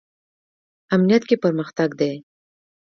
امنیت کې پرمختګ دی